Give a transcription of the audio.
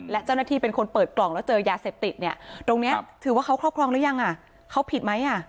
และเจ้าหน้าที่เป็นคนเปิดกล่องแล้วเจอยาเสพติดเนี่ยตรงนี้ถือว่าเขาครอบครองหรือยังเขาผิดไหม